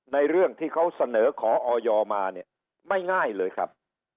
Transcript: เรื่องที่เขาเสนอขอออยมาเนี่ยไม่ง่ายเลยครับ